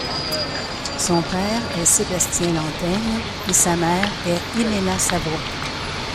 Son père est Sébastien Lanteigne et sa mère est Eméla Savoie.